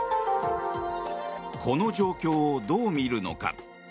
この状況をどう見るのか。